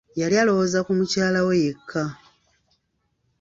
Yali aloowoza ku mukyala we yekka.